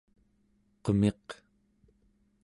qemiq